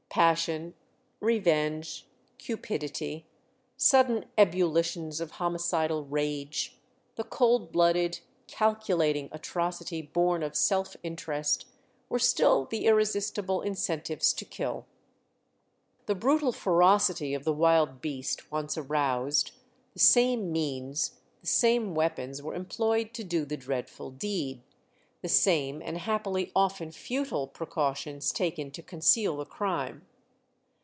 Passion, revenge, cupidity, sudden ebullitions of homicidal rage, the cold blooded, calculating atrocity born of self interest, were still the irresistible incentives to kill. The brutal ferocity of the wild beast once aroused, the same means, the same weapons were employed to do the dreadful deed, the same and happily often futile precautions taken to conceal the crime.